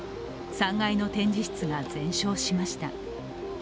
３階の展示室が全焼しました。